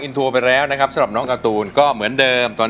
คุณยายแดงคะทำไมต้องซื้อลำโพงและเครื่องเสียง